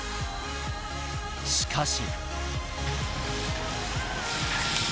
しかし。